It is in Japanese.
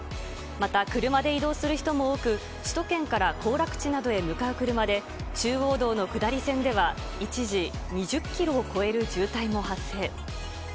また車で移動する人も多く、首都圏から行楽地などへ向かう車で、中央道の下り線では、一時、２０キロを超える渋滞も発生。